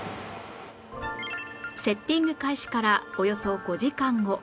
セッティング開始からおよそ５時間後